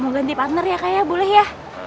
mau ganti partner ya kak ya boleh ya